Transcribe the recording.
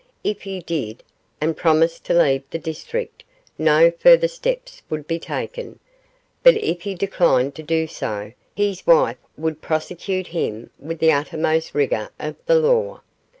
If he did, and promised to leave the district, no further steps would be taken; but if he declined to do so, his wife would prosecute him with the uttermost rigour of the law.